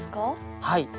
はい。